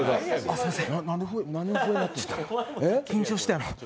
すいません。